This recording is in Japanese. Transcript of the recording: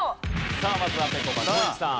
さあまずはぺこぱ松陰寺さん。